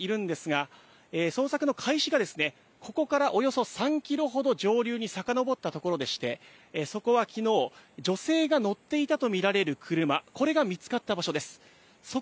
きょうは捜索活動が行われているんですが捜索の開始がですね、ここからおよそ３キロほど上流にさかのぼったところでして、そこはきのう女性が乗っていたとみられる車、これが見つかった場所です。